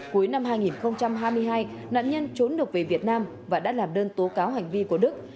cuối năm hai nghìn hai mươi hai nạn nhân trốn được về việt nam và đã làm đơn tố cáo hành vi của đức